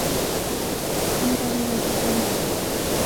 انی پہلی غزل پڑھی